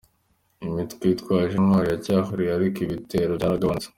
Imitwe yitwaje intwaro iracyahakorera ariko ibitero byaragabanutse.